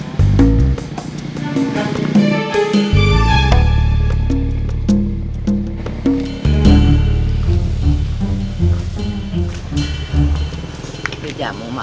ini jamu mak